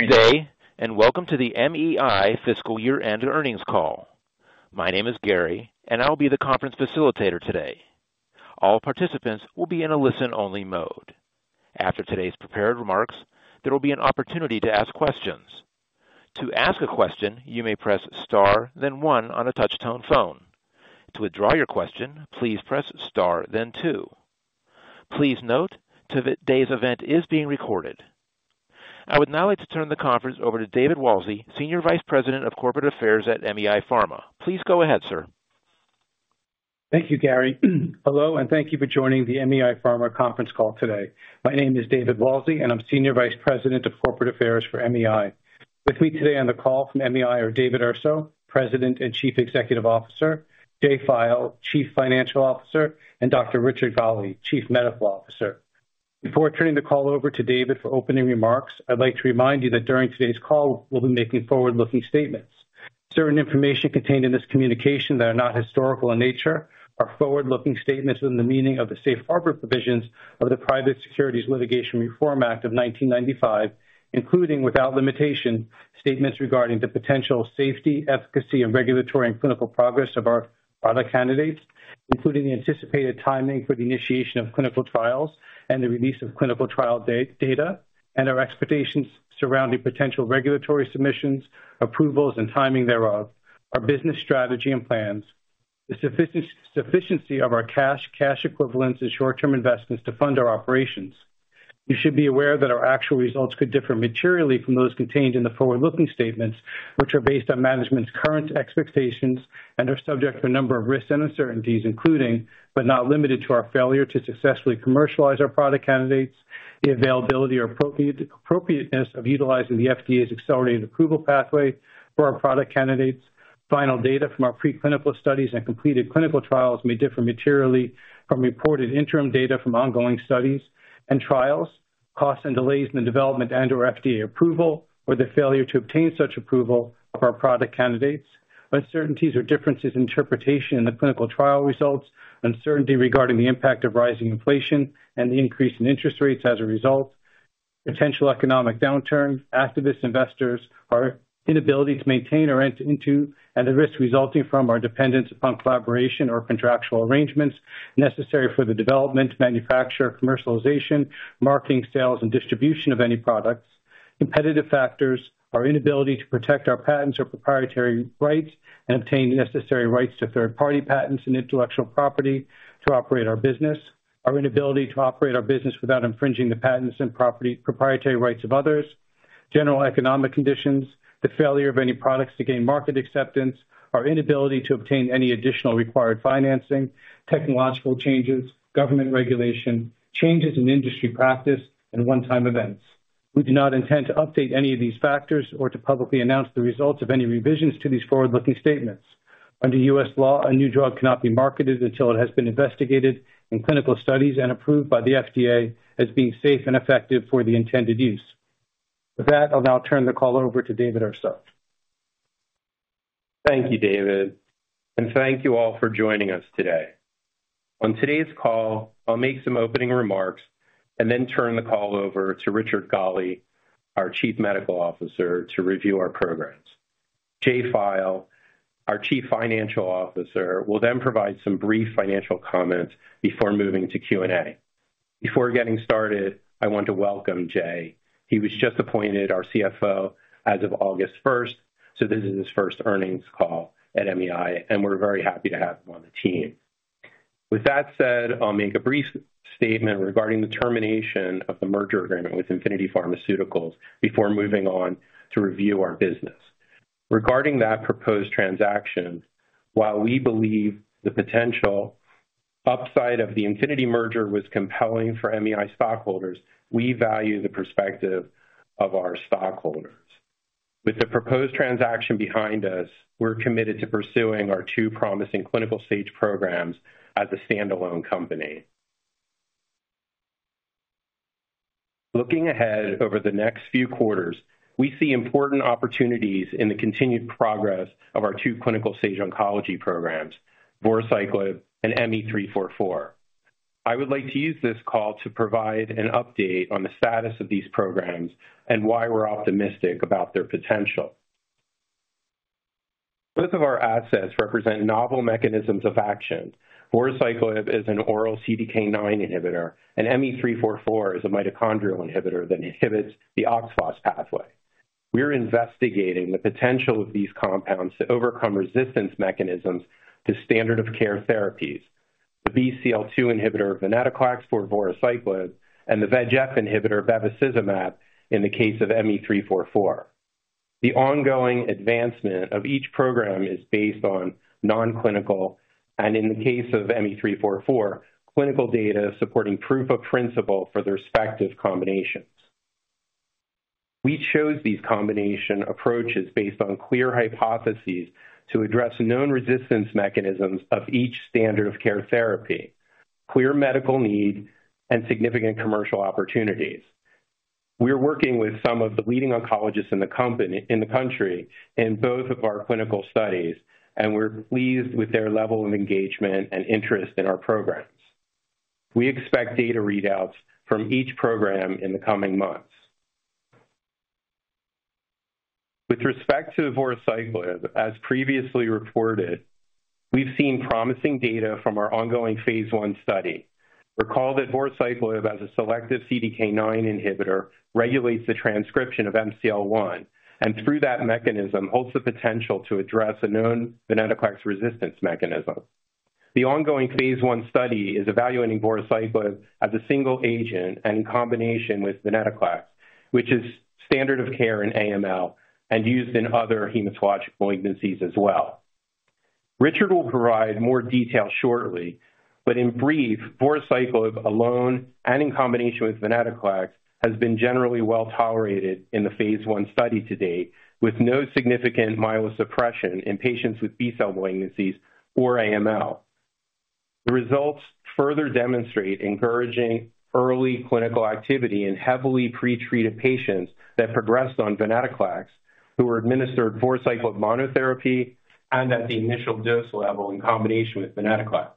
Good day, and welcome to the MEI fiscal year-end earnings call. My name is Gary, and I'll be the conference facilitator today. All participants will be in a listen-only mode. After today's prepared remarks, there will be an opportunity to ask questions. To ask a question, you may press Star then one on a touch-tone phone. To withdraw your question, please press Star then two. Please note, today's event is being recorded. I would now like to turn the conference over to David Walsey, Senior Vice President of Corporate Affairs at MEI Pharma. Please go ahead, sir. Thank you, Gary. Hello, and thank you for joining the MEI Pharma conference call today. My name is David Walsey, and I'm Senior Vice President of Corporate Affairs for MEI. With me today on the call from MEI are David Urso, President and Chief Executive Officer, Justin File, Chief Financial Officer, and Dr. Richard Ghalie, Chief Medical Officer. Before turning the call over to David for opening remarks, I'd like to remind you that during today's call, we'll be making forward-looking statements. Certain information contained in this communication that are not historical in nature are forward-looking statements within the meaning of the safe harbor provisions of the Private Securities Litigation Reform Act of 1995, including, without limitation, statements regarding the potential safety, efficacy, and regulatory and clinical progress of our product candidates, including the anticipated timing for the initiation of clinical trials and the release of clinical trial data, and our expectations surrounding potential regulatory submissions, approvals, and timing thereof, our business strategy and plans, the sufficiency of our cash, cash equivalents, and short-term investments to fund our operations. You should be aware that our actual results could differ materially from those contained in the forward-looking statements, which are based on management's current expectations and are subject to a number of risks and uncertainties, including, but not limited to, our failure to successfully commercialize our product candidates, the availability or appropriateness of utilizing the FDA's accelerated approval pathway for our product candidates. Final data from our preclinical studies and completed clinical trials may differ materially from reported interim data from ongoing studies and trials, costs and delays in the development and/or FDA approval, or the failure to obtain such approval of our product candidates. Uncertainties or differences in interpretation in the clinical trial results, uncertainty regarding the impact of rising inflation and the increase in interest rates as a result, potential economic downturn, activist investors, our inability to maintain or enter into and the risks resulting from our dependence upon collaboration or contractual arrangements necessary for the development, manufacture, commercialization, marketing, sales, and distribution of any products, competitive factors, our inability to protect our patents or proprietary rights and obtain necessary rights to third-party patents and intellectual property to operate our business, our inability to operate our business without infringing the proprietary rights of others, general economic conditions, the failure of any products to gain market acceptance, our inability to obtain any additional required financing, technological changes, government regulation, changes in industry practice, and one-time events. We do not intend to update any of these factors or to publicly announce the results of any revisions to these forward-looking statements. Under U.S. law, a new drug cannot be marketed until it has been investigated in clinical studies and approved by the FDA as being safe and effective for the intended use. With that, I'll now turn the call over to David Urso. Thank you, David, and thank you all for joining us today. On today's call, I'll make some opening remarks and then turn the call over to Richard Ghalie, our Chief Medical Officer, to review our programs. Justin File, our Chief Financial Officer, will then provide some brief financial comments before moving to Q&A. Before getting started, I want to welcome Jay. He was just appointed our CFO as of August first, so this is his first earnings call at MEI, and we're very happy to have him on the team. With that said, I'll make a brief statement regarding the termination of the merger agreement with Infinity Pharmaceuticals before moving on to review our business. Regarding that proposed transaction, while we believe the potential upside of the Infinity merger was compelling for MEI stockholders, we value the perspective of our stockholders. With the proposed transaction behind us, we're committed to pursuing our two promising clinical-stage programs as a standalone company. Looking ahead over the next few quarters, we see important opportunities in the continued progress of our two clinical-stage oncology programs, voruciclib and ME-344. I would like to use this call to provide an update on the status of these programs and why we're optimistic about their potential. Both of our assets represent novel mechanisms of action. Voruciclib is an oral CDK9 inhibitor, and ME-344 is a mitochondrial inhibitor that inhibits the OXPHOS pathway. We're investigating the potential of these compounds to overcome resistance mechanisms to standard of care therapies. The BCL-2 inhibitor, venetoclax, for voruciclib, and the VEGF inhibitor, bevacizumab, in the case of ME-344. The ongoing advancement of each program is based on non-clinical, and in the case of ME-344, clinical data supporting proof of principle for their respective combinations. We chose these combination approaches based on clear hypotheses to address known resistance mechanisms of each standard of care therapy, clear medical need, and significant commercial opportunities. We're working with some of the leading oncologists in the company, in the country in both of our clinical studies, and we're pleased with their level of engagement and interest in our programs. We expect data readouts from each program in the coming months. With respect to voruciclib, as previously reported, we've seen promising data from our ongoing phase I study. Recall that voruciclib, as a selective CDK9 inhibitor, regulates the transcription of MCL-1, and through that mechanism, holds the potential to address a known venetoclax resistance mechanism. The ongoing Phase I study is evaluating voruciclib as a single agent and in combination with venetoclax, which is standard of care in AML and used in other hematologic malignancies as well. Richard will provide more detail shortly, but in brief, voruciclib alone and in combination with venetoclax, has been generally well-tolerated in the Phase I study to date, with no significant myelosuppression in patients with B-cell malignancies or AML. The results further demonstrate encouraging early clinical activity in heavily pre-treated patients that progressed on venetoclax, who were administered voruciclib monotherapy and at the initial dose level in combination with venetoclax.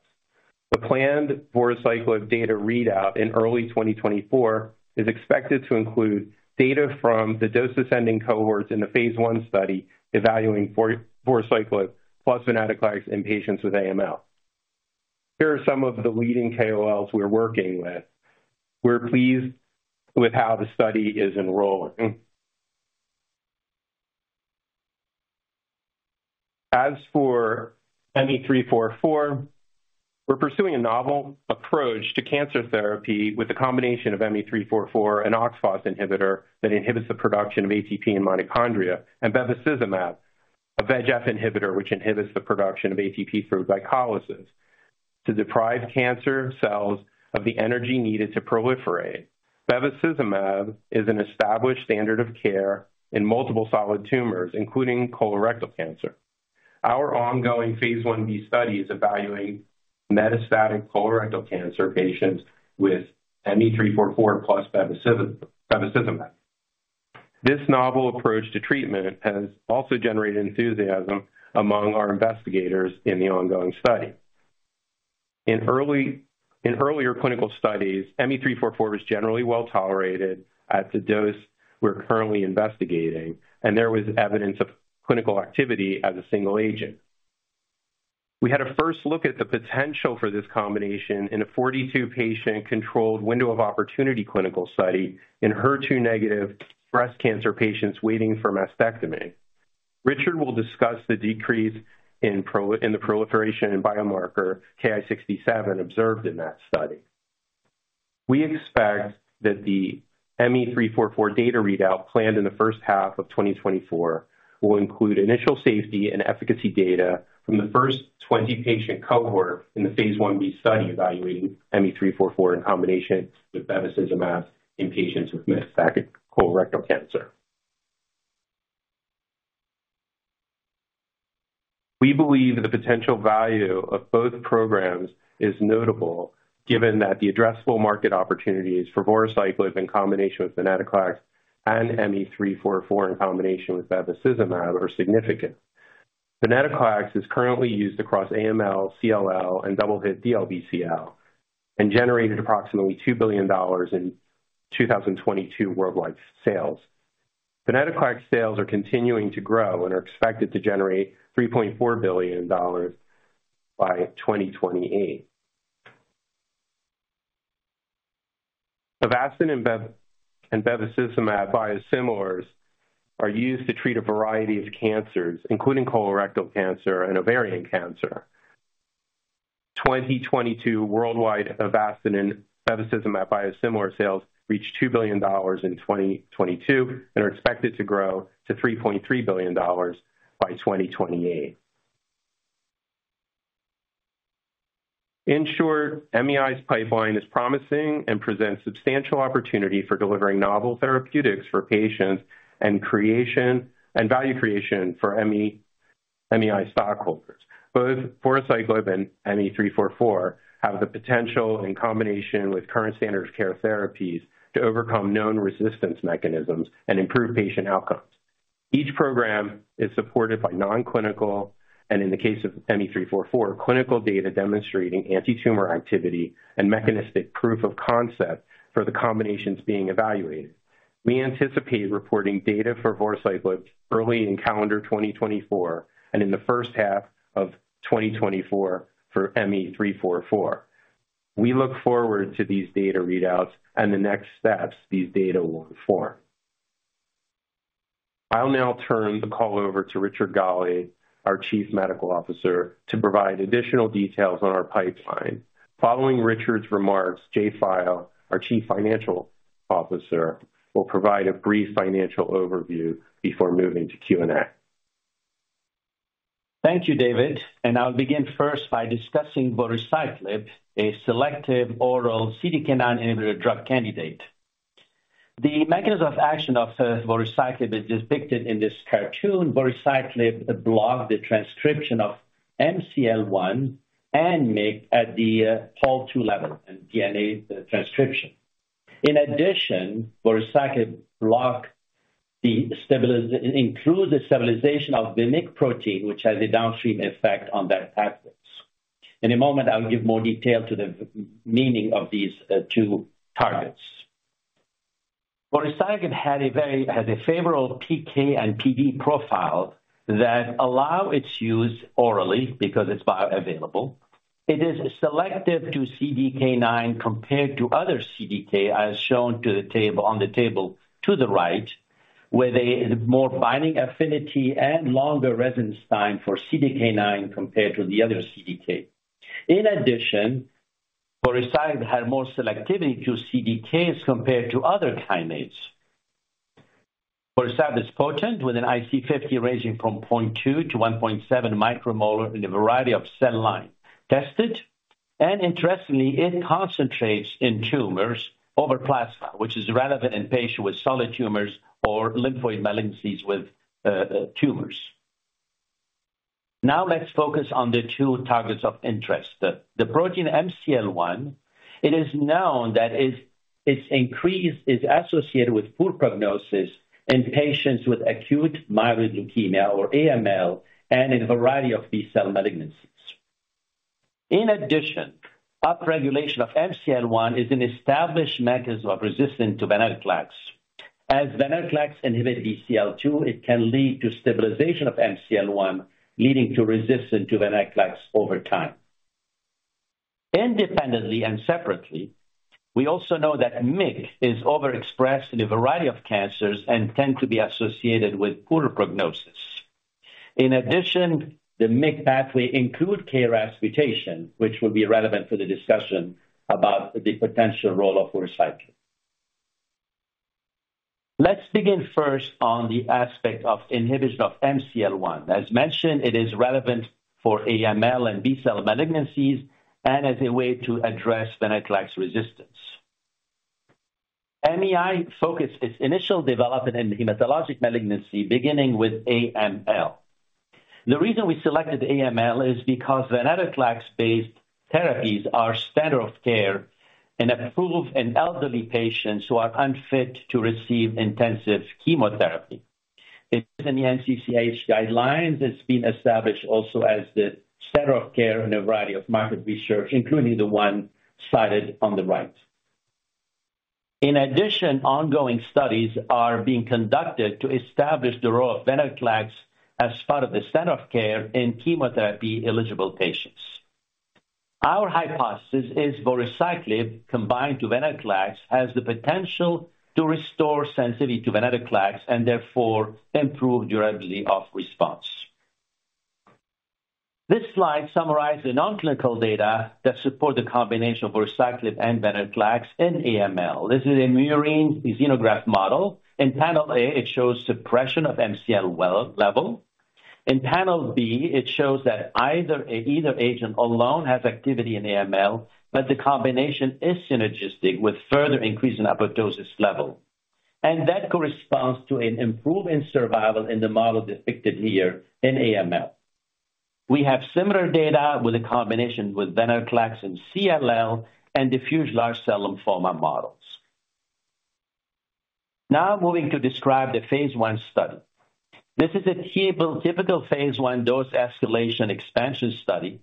The planned voruciclib data readout in early 2024 is expected to include data from the dose-ascending cohorts in the Phase I study, evaluating voruciclib plus venetoclax in patients with AML. Here are some of the leading KOLs we're working with. We're pleased with how the study is enrolling. As for ME-344, we're pursuing a novel approach to cancer therapy with a combination of ME-344, an OXPHOS inhibitor that inhibits the production of ATP in mitochondria, and bevacizumab, a VEGF inhibitor, which inhibits the production of ATP through glycolysis, to deprive cancer cells of the energy needed to proliferate. Bevacizumab is an established standard of care in multiple solid tumors, including colorectal cancer. Our ongoing phase Ib study is evaluating metastatic colorectal cancer patients with ME-344 plus bevacizumab. This novel approach to treatment has also generated enthusiasm among our investigators in the ongoing study. In earlier clinical studies, ME-344 was generally well-tolerated at the dose we're currently investigating, and there was evidence of clinical activity as a single agent. We had a first look at the potential for this combination in a 42-patient controlled window of opportunity clinical study in HER2-negative breast cancer patients waiting for mastectomy. Richard will discuss the decrease in proliferation biomarker Ki-67 observed in that study. We expect that the ME-344 data readout planned in the first half of 2024 will include initial safety and efficacy data from the first 20-patient cohort in the Phase Ib study, evaluating ME-344 in combination with bevacizumab in patients with metastatic colorectal cancer. We believe the potential value of both programs is notable, given that the addressable market opportunities for voruciclib in combination with venetoclax and ME-344 in combination with bevacizumab are significant. venetoclax is currently used across AML, CLL, and double-hit DLBCL, and generated approximately $2 billion in 2022 worldwide sales. venetoclax sales are continuing to grow and are expected to generate $3.4 billion by 2028. Avastin and bevacizumab biosimilars are used to treat a variety of cancers, including colorectal cancer and ovarian cancer. 2022 worldwide Avastin and bevacizumab biosimilar sales reached $2 billion in 2022, and are expected to grow to $3.3 billion by 2028. In short, MEI's pipeline is promising and presents substantial opportunity for delivering novel therapeutics for patients and creation and value creation for MEI stockholders. Both voruciclib and ME-344 have the potential, in combination with current standard of care therapies, to overcome known resistance mechanisms and improve patient outcomes. Each program is supported by non-clinical, and in the case of ME-344, clinical data demonstrating antitumor activity and mechanistic proof of concept for the combinations being evaluated. We anticipate reporting data for voruciclib early in calendar 2024, and in the first half of 2024 for ME-344. We look forward to these data readouts and the next steps these data will inform. I'll now turn the call over to Richard Ghalie, our Chief Medical Officer, to provide additional details on our pipeline. Following Richard's remarks, Justin File, our Chief Financial Officer, will provide a brief financial overview before moving to Q&A. Thank you, David, and I'll begin first by discussing voruciclib, a selective oral CDK9 inhibitor drug candidate. The mechanism of action of voruciclib is depicted in this cartoon. Voruciclib blocks the transcription of MCL-1 and MYC at the Pol II level in DNA transcription. In addition, voruciclib blocks the stabilization of the MYC protein, which has a downstream effect on that pathway. In a moment, I will give more detail to the meaning of these two targets. Voruciclib has a favorable PK and PD profile that allows its use orally because it's bioavailable. It is selective to CDK9 compared to other CDK, as shown in the table on the right, where they have more binding affinity and longer residence time for CDK9 compared to the other CDK. In addition, voruciclib had more selectivity to CDKs compared to other kinases. Voruciclib is potent, with an IC50 ranging from 0.2-1.7 micromolar in a variety of cell lines tested. Interestingly, it concentrates in tumors over plasma, which is relevant in patients with solid tumors or lymphoid malignancies with tumors. Now, let's focus on the two targets of interest. The protein MCL-1, it is known that its increase is associated with poor prognosis in patients with acute myeloid leukemia or AML, and in a variety of B-cell malignancies. In addition, upregulation of MCL-1 is an established mechanism of resistance to venetoclax. As venetoclax inhibits BCL-2, it can lead to stabilization of MCL-1, leading to resistance to venetoclax over time. Independently and separately, we also know that MYC is overexpressed in a variety of cancers and tend to be associated with poorer prognosis. In addition, the MYC pathway include KRAS mutation, which will be relevant for the discussion about the potential role of voruciclib. Let's begin first on the aspect of inhibition of MCL-1. As mentioned, it is relevant for AML and B-cell malignancies and as a way to address venetoclax resistance. MEI focused its initial development in hematologic malignancy, beginning with AML. The reason we selected AML is because venetoclax-based therapies are standard of care in approved and elderly patients who are unfit to receive intensive chemotherapy. It is in the NCCN guidelines, it's been established also as the standard of care in a variety of market research, including the one cited on the right. In addition, ongoing studies are being conducted to establish the role of venetoclax as part of the standard of care in chemotherapy-eligible patients. Our hypothesis is voruciclib, combined to venetoclax, has the potential to restore sensitivity to venetoclax and therefore improve durability of response. This slide summarizes the non-clinical data that support the combination of voruciclib and venetoclax in AML. This is a murine xenograft model. In panel A, it shows suppression of MCL-1 level. In panel B, it shows that either agent alone has activity in AML, but the combination is synergistic, with further increase in apoptosis level. And that corresponds to an improvement in survival in the model depicted here in AML. We have similar data with a combination with venetoclax in CLL and diffuse large B-cell lymphoma models. Now, moving to describe the phase I study. This is a typical phase I dose escalation expansion study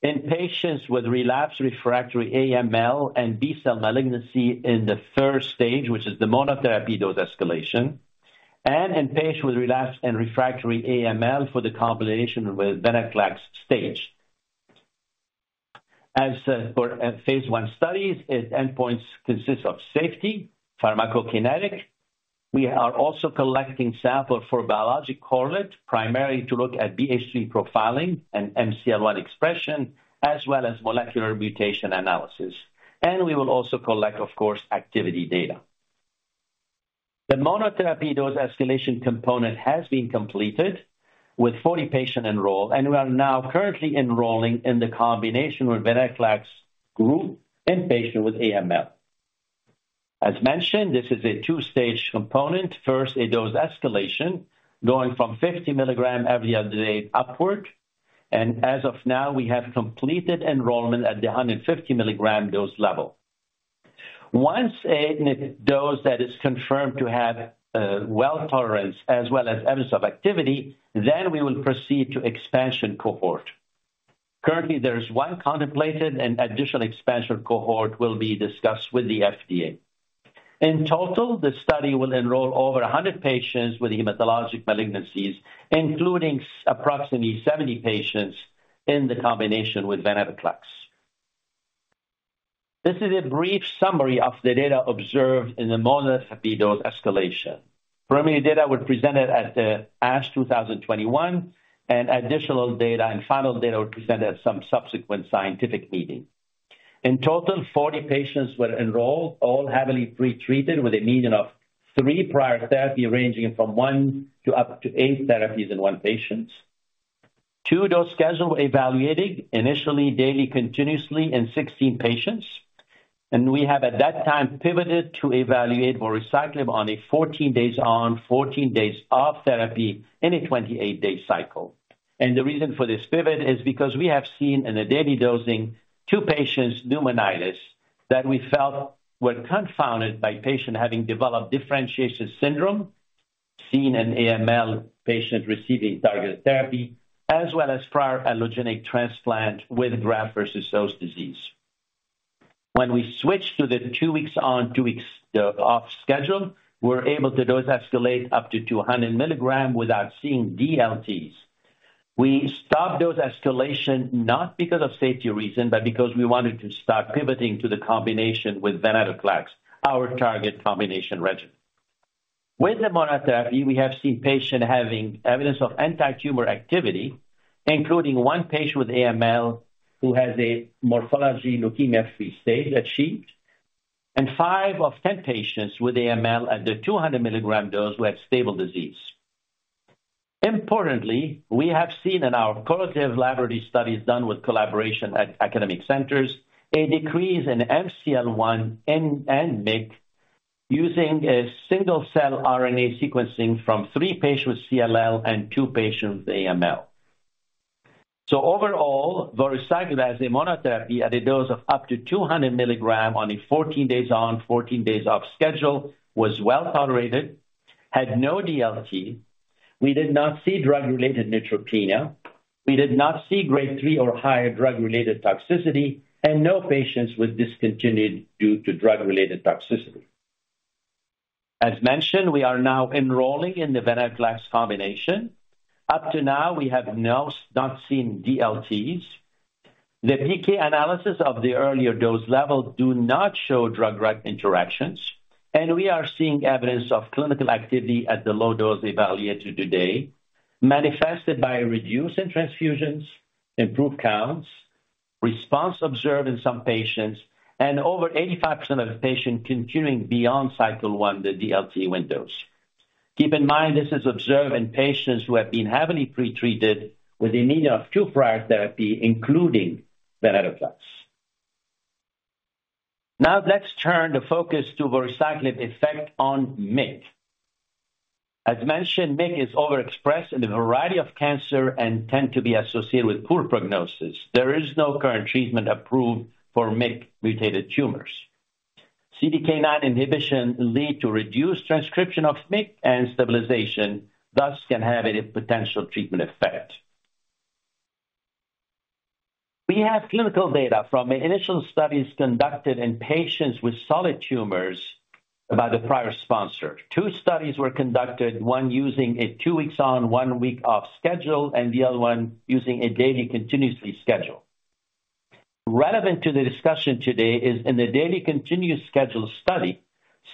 in patients with relapsed refractory AML and B-cell malignancy in the first stage, which is the monotherapy dose escalation, and in patients with relapsed and refractory AML for the combination with venetoclax stage. As for a phase I study, its endpoints consist of safety, pharmacokinetic. We are also collecting samples for biologic correlate, primarily to look at BH3 profiling and MCL-1 expression, as well as molecular mutation analysis. And we will also collect, of course, activity data. The monotherapy dose escalation component has been completed, with 40 patients enrolled, and we are now currently enrolling in the combination with venetoclax group in patients with AML. As mentioned, this is a two-stage component. First, a dose escalation going from 50 milligram every other day upward, and as of now, we have completed enrollment at the 150 milligram dose level. Once a dose that is confirmed to have, well tolerance as well as evidence of activity, then we will proceed to expansion cohort. Currently, there is one contemplated and additional expansion cohort will be discussed with the FDA. In total, the study will enroll over 100 patients with hematologic malignancies, including approximately 70 patients in the combination with venetoclax. This is a brief summary of the data observed in the monotherapy dose escalation. Preliminary data were presented at the ASH 2021, and additional data and final data were presented at some subsequent scientific meeting. In total, 40 patients were enrolled, all heavily pretreated, with a median of 3 prior therapy, ranging from 1 to up to 8 therapies in one patient. Two dose schedule evaluated, initially daily, continuously in 16 patients, and we have at that time pivoted to evaluate voruciclib on a 14 days on, 14 days off therapy in a 28-day cycle. The reason for this pivot is because we have seen in the daily dosing, two patients pneumonitis that we felt were confounded by patient having developed differentiation syndrome, seen in AML patient receiving targeted therapy, as well as prior allogeneic transplant with graft versus host disease. When we switched to the two weeks on, two weeks off schedule, we're able to dose escalate up to 200 milligram without seeing DLTs. We stopped dose escalation, not because of safety reason, but because we wanted to start pivoting to the combination with venetoclax, our target combination regimen. With the monotherapy, we have seen patient having evidence of anti-tumor activity, including 1 patient with AML, who has a morphologic leukemia-free state achieved, and 5 of 10 patients with AML at the 200 milligram dose who had stable disease. Importantly, we have seen in our correlative laboratory studies done with collaboration at academic centers, a decrease in MCL-1 and MYC, using a single cell RNA sequencing from 3 patients with CLL and 2 patients with AML. So overall, voruciclib as a monotherapy at a dose of up to 200 milligram on a 14 days on, 14 days off schedule, was well tolerated, had no DLT. We did not see drug-related neutropenia. We did not see grade three or higher drug-related toxicity, and no patients was discontinued due to drug-related toxicity. As mentioned, we are now enrolling in the venetoclax combination. Up to now, we have not seen DLTs. The PK analysis of the earlier dose level do not show drug-drug interactions, and we are seeing evidence of clinical activity at the low dose evaluated today, manifested by a reduction in transfusions, improved counts, response observed in some patients, and over 85% of the patients continuing beyond cycle one, the DLT windows. Keep in mind, this is observed in patients who have been heavily pretreated with a median of two prior therapies, including venetoclax. Now, let's turn the focus to voruciclib effect on MYC. As mentioned, MYC is overexpressed in a variety of cancers and tend to be associated with poor prognosis. There is no current treatment approved for MYC-mutated tumors. CDK9 inhibition leads to reduced transcription of MYC and stabilization, thus can have a potential treatment effect. We have clinical data from the initial studies conducted in patients with solid tumors by the prior sponsor. Two studies were conducted, one using a 2 weeks on, 1 week off schedule, and the other one using a daily continuous schedule. Relevant to the discussion today is in the daily continuous schedule study,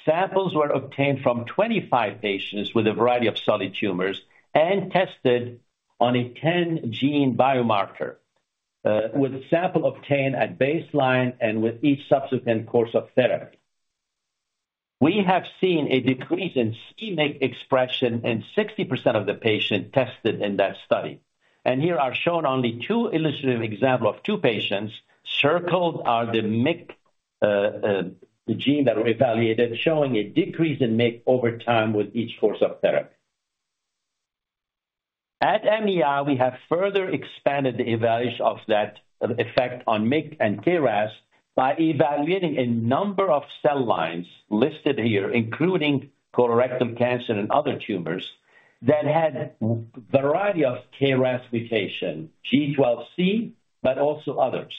samples were obtained from 25 patients with a variety of solid tumors and tested on a 10-gene biomarker, with samples obtained at baseline and with each subsequent course of therapy. We have seen a decrease in c-MYC expression in 60% of the patients tested in that study. Here are shown only two illustrative examples of two patients. Circled are the MYC, the gene that we evaluated, showing a decrease in MYC over time with each course of therapy. At MEI, we have further expanded the evaluation of that effect on MYC and KRAS by evaluating a number of cell lines listed here, including colorectal cancer and other tumors, that had variety of KRAS mutation, G12C, but also others.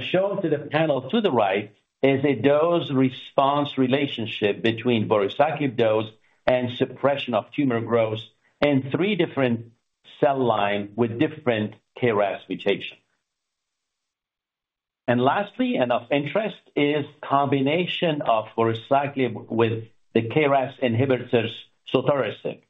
Shown to the panel to the right is a dose-response relationship between voruciclib dose and suppression of tumor growth in three different cell line with different KRAS mutation. Lastly, and of interest, is combination of voruciclib with the KRAS inhibitors, sotorasib.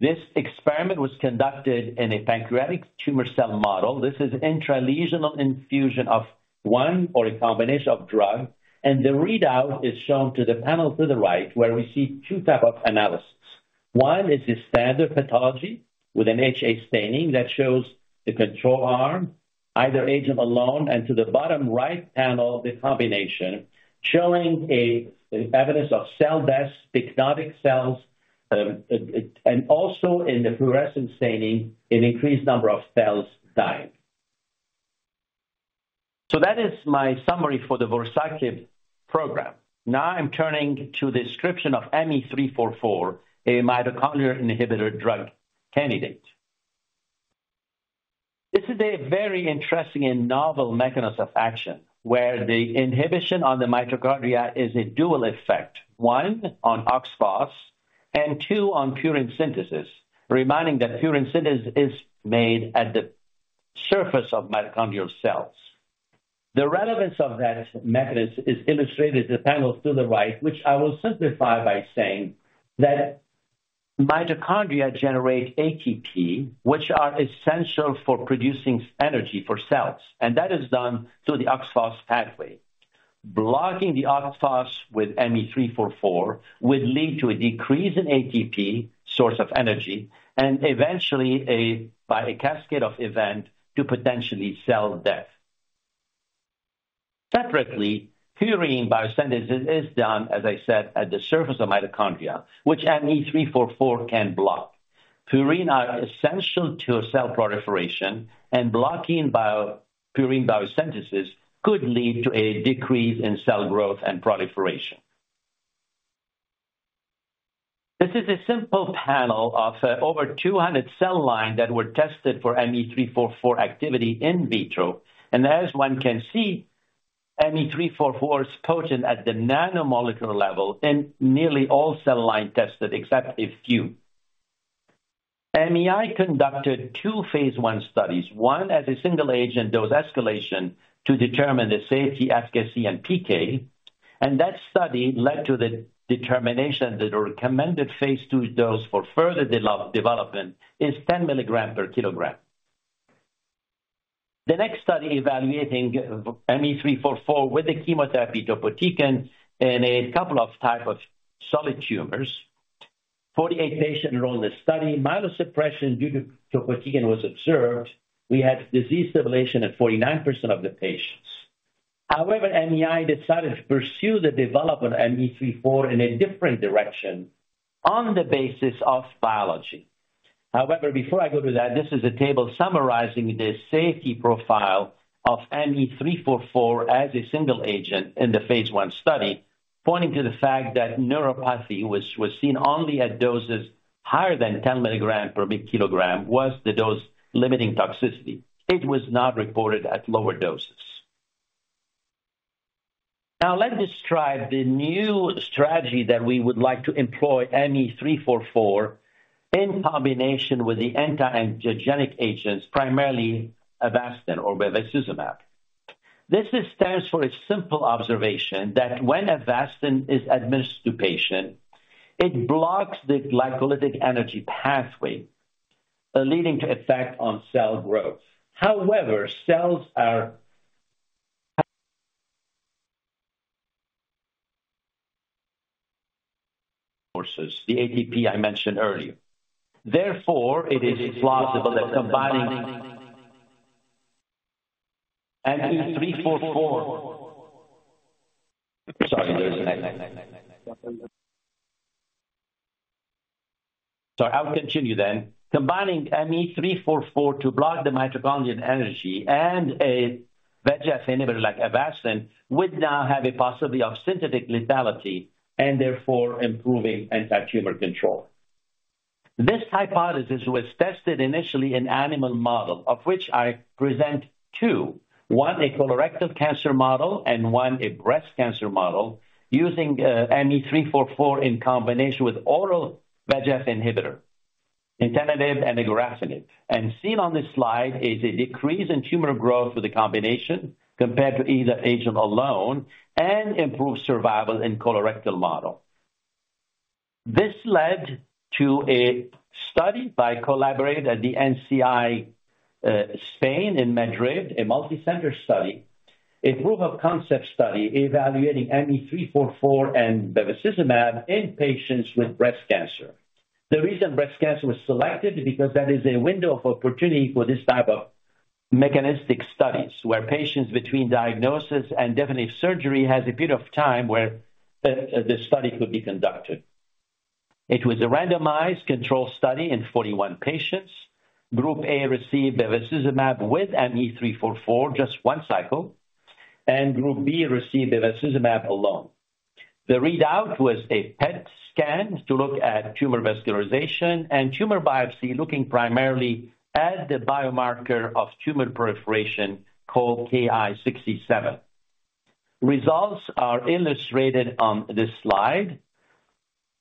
This experiment was conducted in a pancreatic tumor cell model. This is intralesional infusion of one or a combination of drug, and the readout is shown to the panel to the right, where we see two type of analysis. One is the standard pathology with an H&E staining that shows the control arm, either agent alone, and to the bottom right panel, the combination, showing an evidence of cell death, apoptotic cells, and also in the fluorescent staining, an increased number of cells dying. So that is my summary for the voruciclib program. Now I'm turning to the description of ME-344, a mitochondrial inhibitor drug candidate. This is a very interesting and novel mechanism of action, where the inhibition on the mitochondria is a dual effect, one, on OXPHOS, and two, on purine synthesis, reminding that purine synthesis is made at the surface of mitochondrial cells. The relevance of that mechanism is illustrated in the panel to the right, which I will simplify by saying that mitochondria generate ATP, which are essential for producing energy for cells, and that is done through the OXPHOS pathway. Blocking the OXPHOS with ME-344 would lead to a decrease in ATP source of energy, and eventually, by a cascade of events, to potentially cell death. Separately, purine biosynthesis is done, as I said, at the surface of mitochondria, which ME-344 can block... Purines are essential to cell proliferation, and blocking purine biosynthesis could lead to a decrease in cell growth and proliferation. This is a simple panel of over 200 cell lines that were tested for ME-344 activity in vitro. As one can see, ME-344 is potent at the nanomolar level in nearly all cell lines tested, except a few. MEI conducted two phase one studies, one as a single agent dose escalation to determine the safety, efficacy, and PK, and that study led to the determination that a recommended phase two dose for further development is 10 mg/kg. The next study evaluating ME-344 with the chemotherapy topotecan in a couple of types of solid tumors. 48 patients enrolled in the study. Myelosuppression due to topotecan was observed. We had disease stabilization at 49% of the patients. However, MEI decided to pursue the development of ME-344 in a different direction on the basis of biology. However, before I go to that, this is a table summarizing the safety profile of ME-344 as a single agent in the phase I study, pointing to the fact that neuropathy, which was seen only at doses higher than 10 mg/kg, was the dose limiting toxicity. It was not reported at lower doses. Now, let me describe the new strategy that we would like to employ ME-344 in combination with the anti-angiogenic agents, primarily Avastin or bevacizumab. This stands for a simple observation that when Avastin is administered to patient, it blocks the glycolytic energy pathway, leading to effect on cell growth. However, cells, of course, the ATP I mentioned earlier. Therefore, it is plausible that combining ME-344... Sorry, there is an echo. So I'll continue then. Combining ME-344 to block the mitochondrial energy and a VEGF inhibitor like Avastin would now have a possibility of synthetic lethality and therefore improving anti-tumor control. This hypothesis was tested initially in animal model, of which I present two, one, a colorectal cancer model and one, a breast cancer model, using ME-344 in combination with oral VEGF inhibitor, lenvatinib and axitinib. And seen on this slide is a decrease in tumor growth with the combination compared to either agent alone and improved survival in colorectal model. This led to a study by collaborator at the NCI Spain in Madrid, a multicenter study, a proof of concept study evaluating ME-344 and bevacizumab in patients with breast cancer. The reason breast cancer was selected is because that is a window of opportunity for this type of mechanistic studies, where patients between diagnosis and definitive surgery has a period of time where the study could be conducted. It was a randomized control study in 41 patients. Group A received bevacizumab with ME-344, just one cycle, and group B received bevacizumab alone. The readout was a PET scan to look at tumor vascularization and tumor biopsy, looking primarily at the biomarker of tumor proliferation called Ki-67. Results are illustrated on this slide.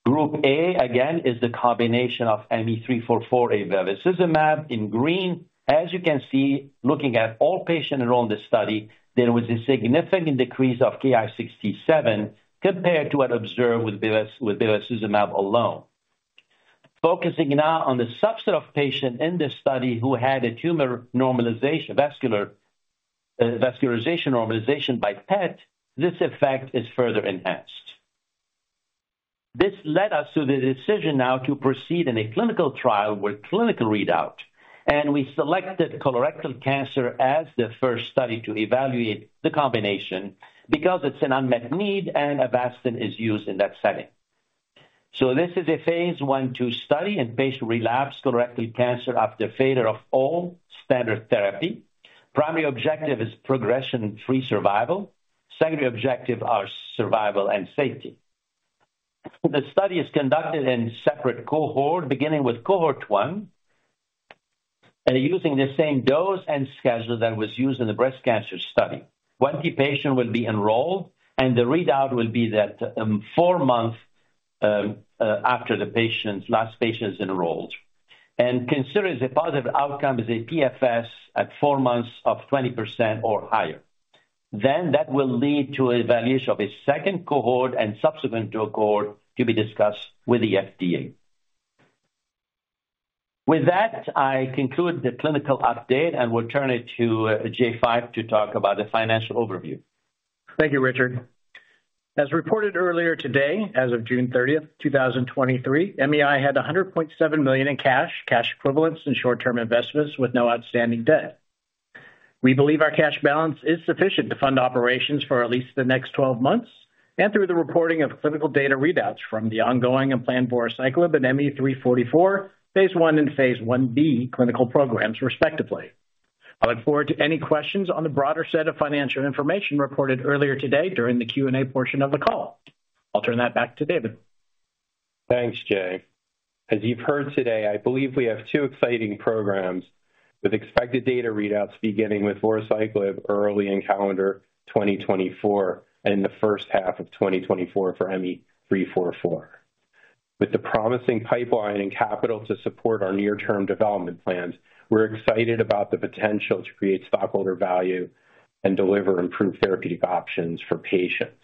Group A, again, is the combination of ME-344 and bevacizumab in green. As you can see, looking at all patients enrolled in this study, there was a significant decrease of Ki-67 compared to what observed with bevacizumab alone. Focusing now on the subset of patients in this study who had a tumor normalization, vascular, vascularization normalization by PET, this effect is further enhanced. This led us to the decision now to proceed in a clinical trial with clinical readout, and we selected colorectal cancer as the first study to evaluate the combination because it's an unmet need and Avastin is used in that setting. So this is a phase I/II study in patient-relapsed colorectal cancer after failure of all standard therapy. Primary objective is progression-free survival. Secondary objective are survival and safety. The study is conducted in separate cohort, beginning with cohort 1, and using the same dose and schedule that was used in the breast cancer study. 20 patient will be enrolled, and the readout will be that, four months after the patients, last patient is enrolled. Considered as a positive outcome is a PFS at four months of 20% or higher. That will lead to evaluation of a second cohort and subsequent cohort to be discussed with the FDA. With that, I conclude the clinical update and will turn it to Justin File to talk about the financial overview. Thank you, Richard. As reported earlier today, as of June 30, 2023, MEI had $100.7 million in cash, cash equivalents, and short-term investments, with no outstanding debt. ... We believe our cash balance is sufficient to fund operations for at least the next 12 months and through the reporting of clinical data readouts from the ongoing and planned voruciclib and ME-344 phase I and phase Ib clinical programs, respectively. I look forward to any questions on the broader set of financial information reported earlier today during the Q&A portion of the call. I'll turn that back to David. Thanks, Jay. As you've heard today, I believe we have two exciting programs with expected data readouts, beginning with voruciclib early in calendar 2024 and in the first half of 2024 for ME-344. With the promising pipeline and capital to support our near-term development plans, we're excited about the potential to create stockholder value and deliver improved therapeutic options for patients.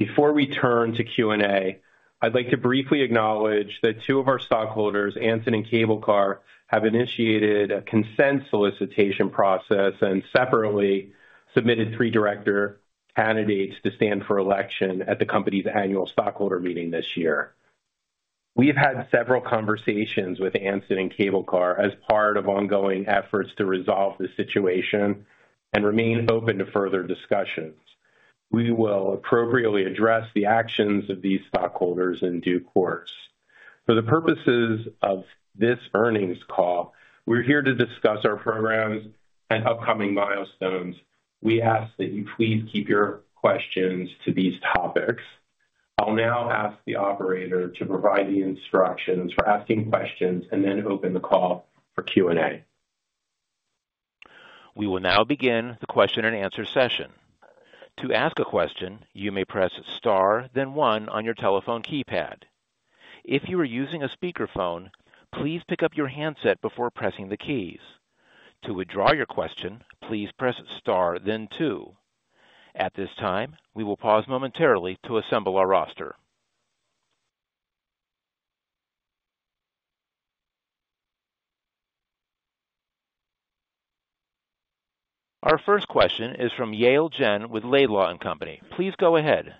Before we turn to Q&A, I'd like to briefly acknowledge that two of our stockholders, Anson and Cable Car, have initiated a consent solicitation process and separately submitted three director candidates to stand for election at the company's annual stockholder meeting this year. We've had several conversations with Anson and Cable Car as part of ongoing efforts to resolve the situation and remain open to further discussions. We will appropriately address the actions of these stockholders in due course. For the purposes of this earnings call, we're here to discuss our programs and upcoming milestones. We ask that you please keep your questions to these topics. I'll now ask the operator to provide the instructions for asking questions and then open the call for Q&A. We will now begin the question and answer session. To ask a question, you may press star then one on your telephone keypad. If you are using a speakerphone, please pick up your handset before pressing the keys. To withdraw your question, please press star then two. At this time, we will pause momentarily to assemble our roster. Our first question is from Yale Jen with Laidlaw and Company. Please go ahead.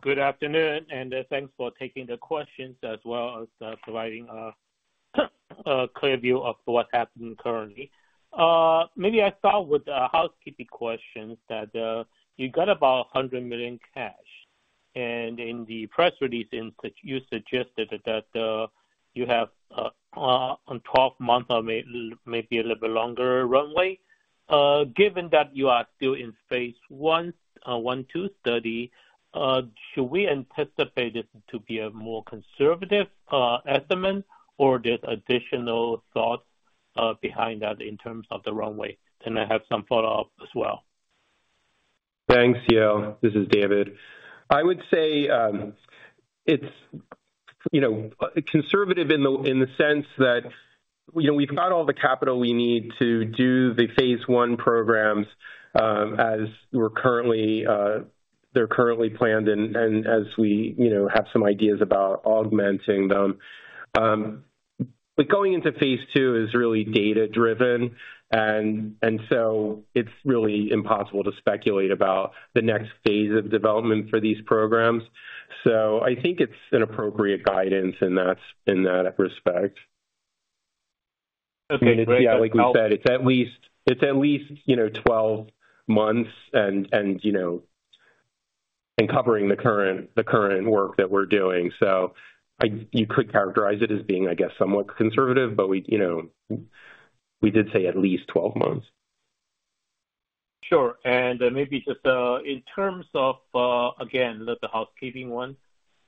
Good afternoon, and thanks for taking the questions as well as providing a clear view of what's happening currently. Maybe I start with a housekeeping question, that you got about $100 million cash, and in the press release, you suggested that you have on 12 months or maybe a little bit longer runway. Given that you are still in phase I/II study, should we anticipate it to be a more conservative estimate, or there's additional thoughts behind that in terms of the runway? I have some follow-up as well. Thanks, Yale. This is David. I would say, it's, you know, conservative in the sense that, you know, we've got all the capital we need to do the phase one programs, as they're currently planned and as we, you know, have some ideas about augmenting them. But going into phase two is really data-driven, and so it's really impossible to speculate about the next phase of development for these programs. So I think it's an appropriate guidance in that respect. Okay, great- Yeah, like we said, it's at least, you know, 12 months and covering the current work that we're doing. So you could characterize it as being, I guess, somewhat conservative, but we, you know, we did say at least 12 months. Sure. Maybe just in terms of again the housekeeping one,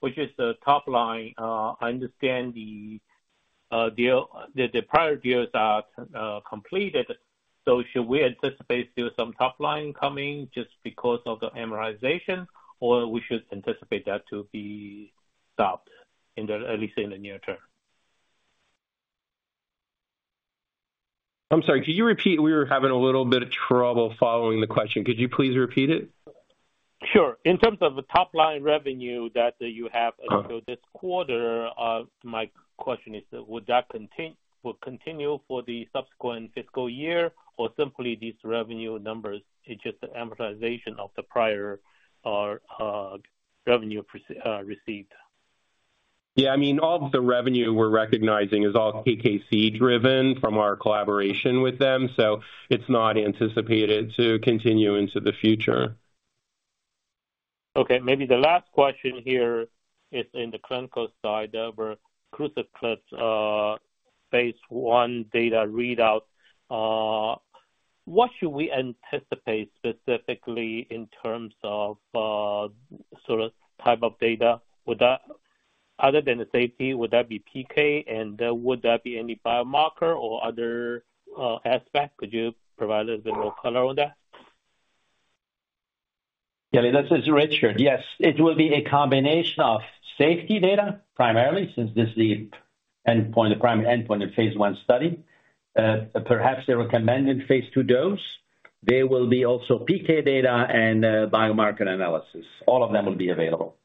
which is the top line, I understand the deal, the prior deals are completed. So should we anticipate still some top line coming just because of the amortization, or we should anticipate that to be stopped, at least in the near term? I'm sorry, could you repeat? We were having a little bit of trouble following the question. Could you please repeat it? Sure. In terms of the top-line revenue that you have- Uh. until this quarter, my question is, would that will continue for the subsequent fiscal year, or simply these revenue numbers is just the amortization of the prior revenue received? Yeah, I mean, all of the revenue we're recognizing is all KKC driven from our collaboration with them, so it's not anticipated to continue into the future. Okay, maybe the last question here is in the clinical side, over voruciclib, phase I data readout. What should we anticipate specifically in terms of sort of type of data? Would that, other than the safety, would that be PK, and would that be any biomarker or other aspect? Could you provide a little color on that? Yeah, this is Richard. Yes, it will be a combination of safety data, primarily, since this is the endpoint, the primary endpoint in phase one study. Perhaps a recommended phase two dose. There will be also PK data and, biomarker analysis. All of them will be available.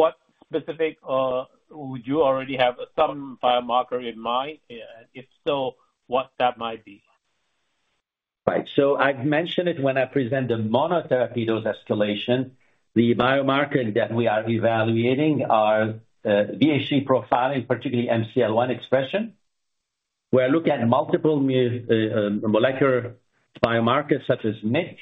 What specific would you already have some biomarker in mind? If so, what that might be?... Right. So I've mentioned it when I present the monotherapy dose escalation. The biomarker that we are evaluating are BH3 profiling, particularly MCL-1 expression, where I look at multiple molecular biomarkers such as Myc.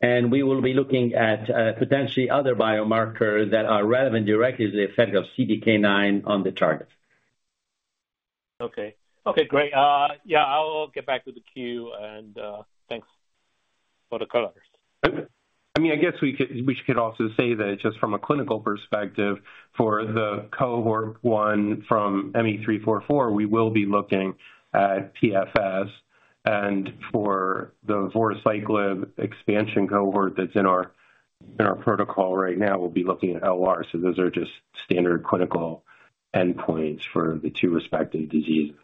And we will be looking at potentially other biomarkers that are relevant directly to the effect of CDK9 on the target. Okay. Okay, great. Yeah, I'll get back to the queue and, thanks for the colors. I mean, I guess we could, we could also say that just from a clinical perspective, for the cohort one from ME-344, we will be looking at PFS, and for the voruciclib expansion cohort that's in our, in our protocol right now, we'll be looking at LR. So those are just standard clinical endpoints for the two respective diseases.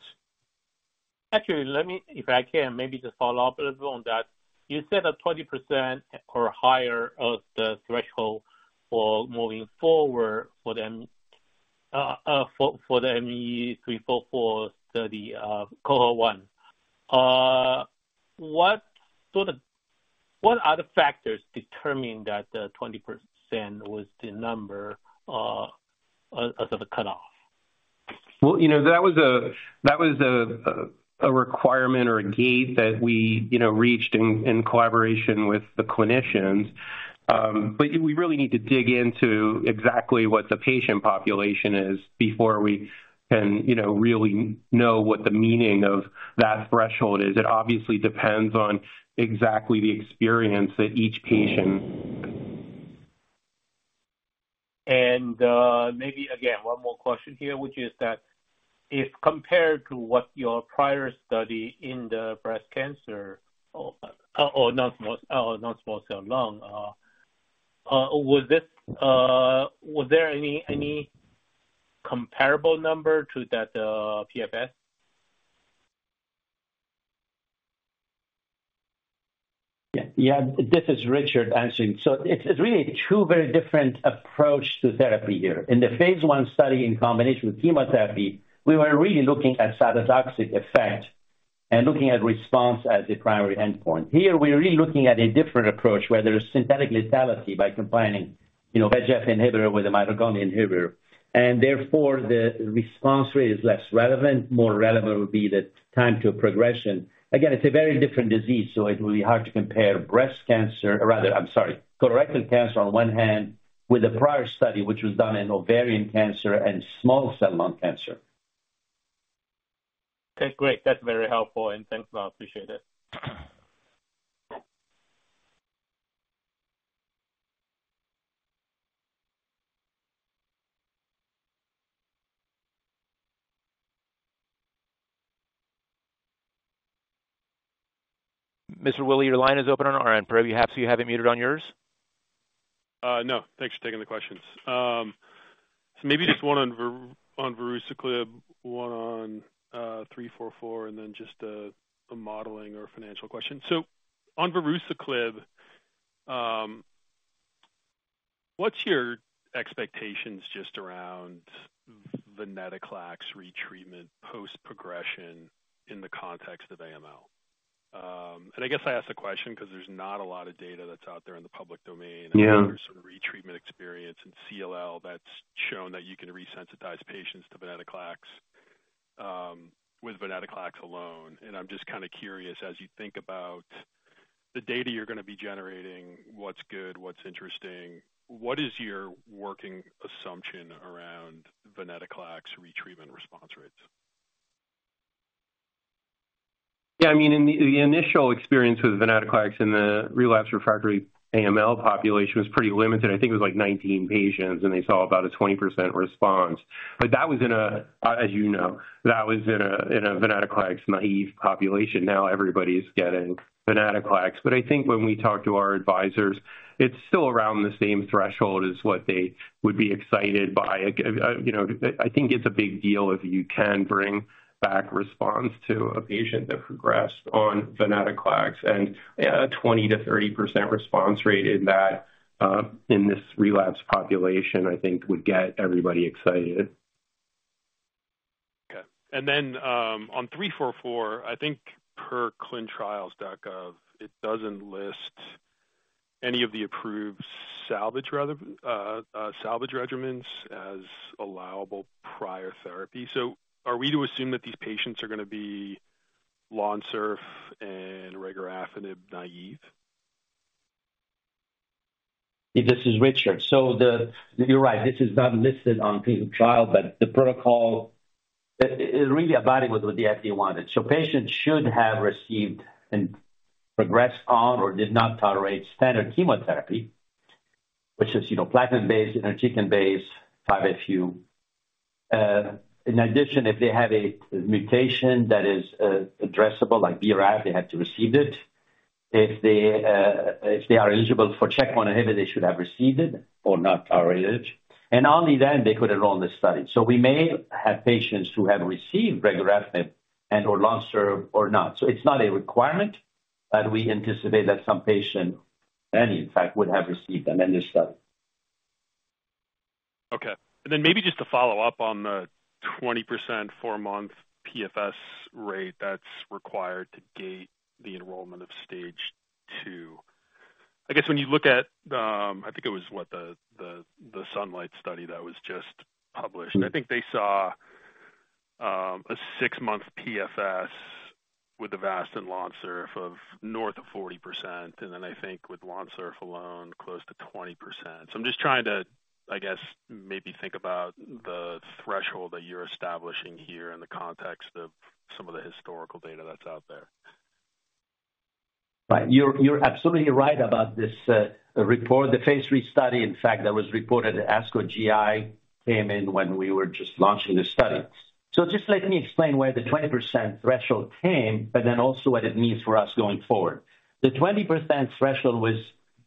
Actually, let me, if I can, maybe just follow up a little on that. You said that 20% or higher of the threshold for moving forward for the ME-344 study, Cohort 1. What sort of other factors determine that the 20% was the number, sort of cut off? Well, you know, that was a requirement or a gate that we, you know, reached in collaboration with the clinicians. But we really need to dig into exactly what the patient population is before we can, you know, really know what the meaning of that threshold is. It obviously depends on exactly the experience that each patient- Maybe again, one more question here, which is that if compared to what your prior study in the breast cancer or non-small cell lung, was there any comparable number to that PFS? Yeah. Yeah, this is Richard answering. So it's, it's really two very different approach to therapy here. In the phase one study in combination with chemotherapy, we were really looking at cytotoxic effect and looking at response as the primary endpoint. Here, we're really looking at a different approach, where there is synthetic lethality by combining, you know, VEGF inhibitor with a mitochondrial inhibitor. And therefore, the response rate is less relevant. More relevant would be the time to progression. Again, it's a very different disease, so it will be hard to compare breast cancer or rather, I'm sorry, colorectal cancer on one hand with a prior study, which was done in ovarian cancer and small cell lung cancer. Okay, great. That's very helpful and thanks a lot. I appreciate it. Mr. Willey, your line is open on our end, perhaps you have it muted on yours? No. Thanks for taking the questions. So maybe just one on, on voruciclib, one on, ME-344, and then just a, a modeling or financial question. So on voruciclib, what's your expectations just around venetoclax retreatment post-progression in the context of AML? And I guess I ask the question because there's not a lot of data that's out there in the public domain. Yeah. There's some retreatment experience in CLL that's shown that you can resensitize patients to venetoclax with venetoclax alone. And I'm just kind of curious, as you think about the data you're going to be generating, what's good, what's interesting, what is your working assumption around venetoclax retreatment response rates? Yeah, I mean, in the initial experience with venetoclax in the relapsed refractory AML population was pretty limited. I think it was like 19 patients, and they saw about a 20% response. But that was in a, as you know, that was in a venetoclax-naive population. Now everybody's getting venetoclax. But I think when we talk to our advisors, it's still around the same threshold as what they would be excited by. Again, you know, I think it's a big deal if you can bring back response to a patient that progressed on venetoclax, and, yeah, a 20%-30% response rate in that, in this relapsed population, I think would get everybody excited. Okay. And then, on 344, I think per ClinicalTrials.gov, it doesn't list any of the approved salvage regimens as allowable prior therapy. So are we to assume that these patients are going to be Lonsurf and regorafenib naive? This is Richard. So the... You're right, this is not listed on clinical trial, but the protocol, it really about it was what the FDA wanted. So patients should have received and progressed on or did not tolerate standard chemotherapy, which is, you know, platinum-based, nitrogen-based, 5-FU. In addition, if they have a mutation that is addressable, like BRAF, they had to receive it. If they are eligible for checkpoint inhibitor, they should have received it or not tolerated, and only then they could enroll in the study. So we may have patients who have received regorafenib and/or Lonsurf or not. So it's not a requirement, but we anticipate that some patients, many in fact, would have received them in this study. Then maybe just to follow up on the 20% four-month PFS rate that's required to gate the enrollment of stage 2. I guess when you look at, I think it was the SUNLIGHT study that was just published, I think they saw a six-month PFS with Avastin Lonsurf of north of 40%, and then I think with Lonsurf alone, close to 20%. So I'm just trying to, I guess, maybe think about the threshold that you're establishing here in the context of some of the historical data that's out there. Right. You're, you're absolutely right about this, report, the phase 3 study, in fact, that was reported at ASCO GI, came in when we were just launching this study. So just let me explain where the 20% threshold came, but then also what it means for us going forward. The 20% threshold was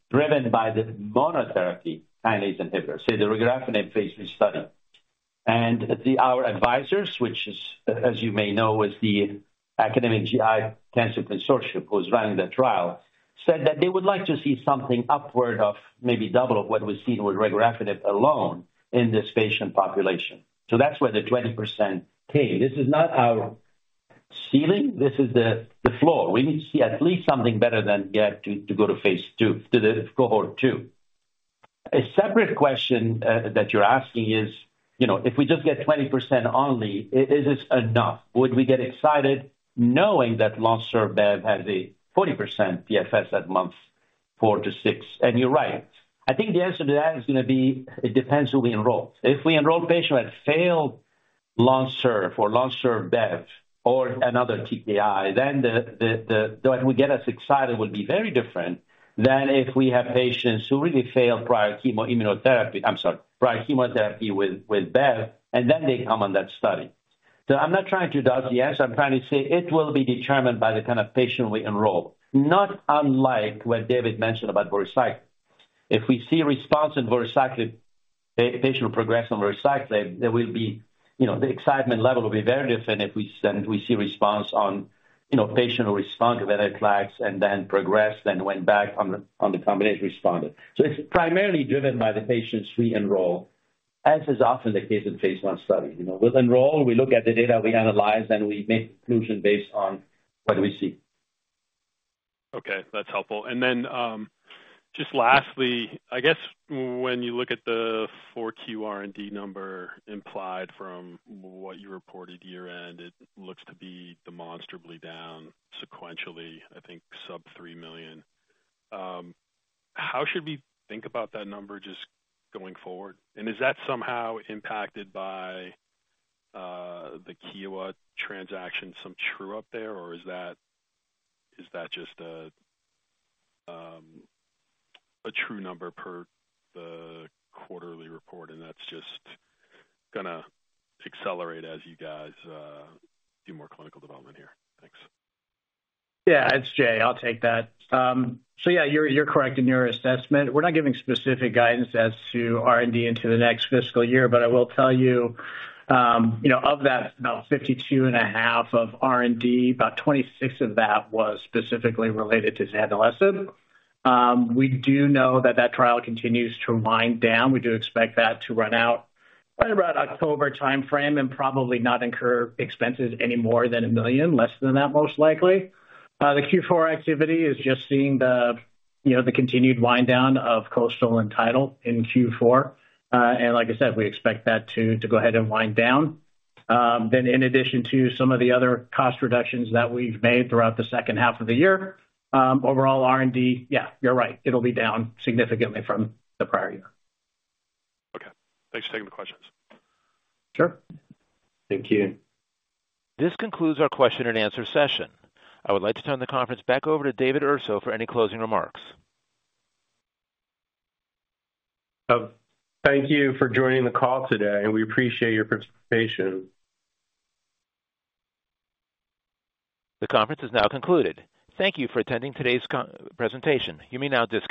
driven by the monotherapy kinase inhibitor, so the regorafenib phase 3 study. And the, our advisors, which is, as you may know, is the Academic GI Cancer Consortium, who's running the trial, said that they would like to see something upward of maybe double of what was seen with regorafenib alone in this patient population. So that's where the 20% came. This is not our ceiling, this is the, the floor. We need to see at least something better than get to, to go to phase 2, to the cohort 2. A separate question that you're asking is, you know, if we just get 20% only, is this enough? Would we get excited knowing that Lonsurf has a 40% PFS at months four to six? And you're right. I think the answer to that is gonna be, it depends who we enroll. If we enroll patient with failed Lonsurf or Lonsurf or another TKI, then the what would get us excited would be very different than if we have patients who really failed prior chemo immunotherapy, I'm sorry, prior chemotherapy with bev, and then they come on that study. So I'm not trying to dodge the answer. I'm trying to say it will be determined by the kind of patient we enroll, not unlike what David mentioned about voruciclib. If we see response in voruciclib, patient progression voruciclib, there will be, you know, the excitement level will be very different if we see response on, you know, patient who respond to other drugs and then progressed, then went back on the, on the combination responded. So it's primarily driven by the patients we enroll, as is often the case in phase one studies. You know, when we enroll, we look at the data, we analyze, and we make conclusion based on what we see. Okay, that's helpful. And then, just lastly, I guess when you look at the 4Q R&D number implied from what you reported year-end, it looks to be demonstrably down sequentially, I think sub-$3 million. How should we think about that number just going forward? And is that somehow impacted by, the Kyowa transaction, some true up there, or is that, is that just a, a true number per the quarterly report and that's just gonna accelerate as you guys, do more clinical development here? Thanks. Yeah, it's Jay. I'll take that. So yeah, you're correct in your assessment. We're not giving specific guidance as to R&D into the next fiscal year, but I will tell you, you know, of that, about $52.5 million of R&D, about $26 million of that was specifically related to zandelisib. We do know that that trial continues to wind down. We do expect that to run out by about October timeframe and probably not incur expenses any more than $1 million, less than that, most likely. The Q4 activity is just seeing the, you know, the continued wind down of the zandelisib trial in Q4. And like I said, we expect that to go ahead and wind down. Then, in addition to some of the other cost reductions that we've made throughout the second half of the year, overall R&D, yeah, you're right, it'll be down significantly from the prior year. Okay. Thanks for taking the questions. Sure. Thank you. This concludes our question and answer session. I would like to turn the conference back over to David Urso for any closing remarks. Thank you for joining the call today, and we appreciate your participation. The conference is now concluded. Thank you for attending today's conference presentation. You may now disconnect.